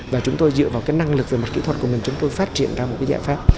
và chúng tôi dựa vào cái năng lực về mặt kỹ thuật của mình chúng tôi phát triển ra một cái giải pháp